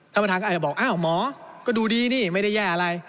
ท่านประธานก็อาจจะบอกอ้าวหมอก็ดูดีนี่ไม่ได้แย่อะไร